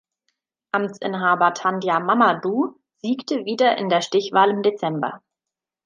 Amtsinhaber Tandja Mamadou siegte wieder in der Stichwahl im Dezember.